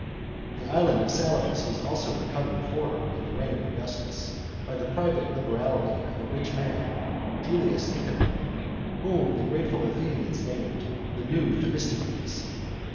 The island of Salamis was also recovered for her in the reign of Augustus, by the private liberality of a rich man, Julius Nicanor, whom the grateful Athenians named " the new Themistocles."